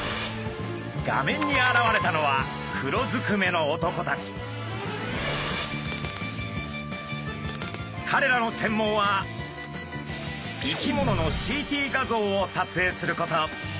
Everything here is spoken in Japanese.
画面に現れたのはかれらの専門は生き物のＣＴ画像を撮影すること。